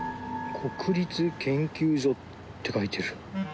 「国立研究所」って書いてある。